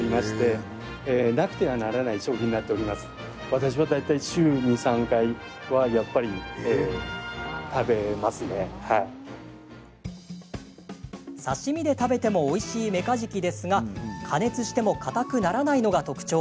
私は大体刺身で食べてもおいしいメカジキですが加熱してもかたくならないのが特徴。